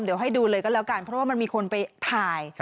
เดี๋ยวให้ดูเลยก็แล้วกันเพราะว่ามันมีคนไปถ่าย